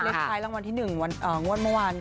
เลขไทยรางวัลที่๑วันอ่าวันเมื่อวาน๙๙๐